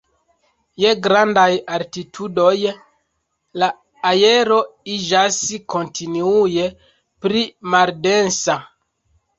Je grandaj altitudoj la aero iĝas kontinue pli maldensa.